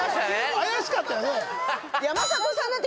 怪しかったよね